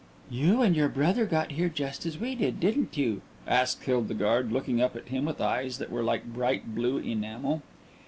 "You and your brother got here just as we did, didn't you?" asked Hildegarde, looking up at him with eyes that were like bright blue enamel.